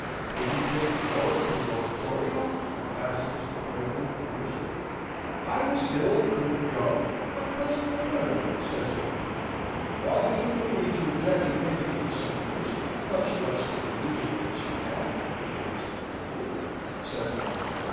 "Did he take Flora to an oratorio?" asks Mr. Claypool, fiercely. "I was ill and couldn't go, and my cousin went with her," says Dora. "Far be it from me to object to any innocent amusement, much less to the music of Mr. Handel, dear Mr. Claypool," says mamma.